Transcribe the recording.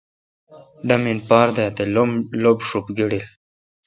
ڈامین پار داتے°لب ݭب گڑیل۔